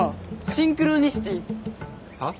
シンクロニシティ？はっ？